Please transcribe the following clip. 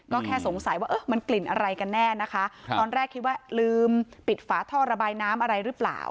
ก็แค่สงสัยว่าเออมันกลิ่นอะไรกันแน่นะคะตอนแรกคิดว่าลืมปิดฝาท่อระบายน้ำอะไรหรือเปล่า